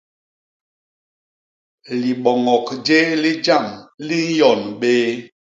Libônôk jéé li jam li nyon bé.